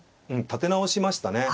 立て直しましたね。